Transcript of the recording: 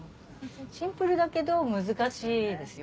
シンプルだけど難しいですよ